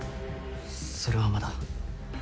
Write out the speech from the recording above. それはまだ。